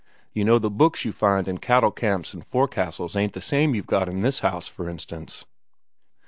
You know the books you find in cattle camps an' fo'c's'ls ain't the same you've got in this house, for instance.